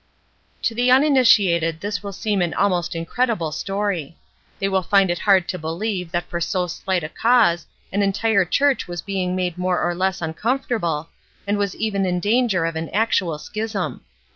To the uninitiated this will seem an almost incredible story ; they will find it hard to beUeve that for so slight a cause an entire church was being made more or less uncomfortable, and was even in danger of an actual schism.